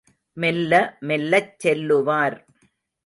மெல்ல மெல்லச் செல்லுவார்.